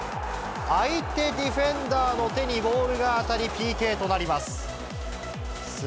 相手ディフェンダーの手にボールが当たり、ＰＫとなります。